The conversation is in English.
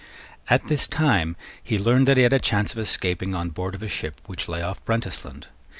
At this time he learned that he had a chance of escaping on board of a ship which lay off Brentisland.